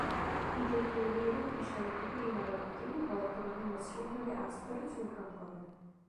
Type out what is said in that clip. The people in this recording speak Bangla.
ইটের তৈরী এরূপ বিশালাকৃতির ইমারতটি বর্তমানে মসৃণভাবে আস্তর ও চুনকাম করা।